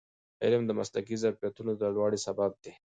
علم د مسلکي ظرفیتونو د لوړوالي سبب دی.